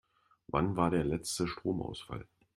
Wann war der letzte Stromausfall?